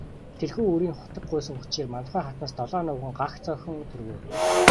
Тэрхүү үрийн хутаг гуйсан хүчээр Мандухай хатнаас долоон нуган, гагц охин төрвэй.